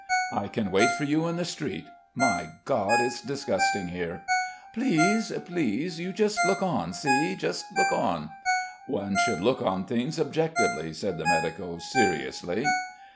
"I can wait for you in the street. My God, it's disgusting here." "Please, please.... You just look on, see, just look on." "One should look at things objectively," said the medico seriously.